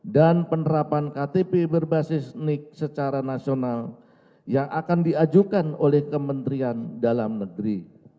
dan penerapan ktp berbasis nik secara nasional yang akan diajukan oleh kementerian dalam negeri